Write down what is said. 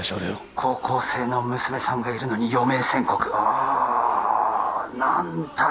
高校生の娘さんがいるのに余命宣告あっ何たる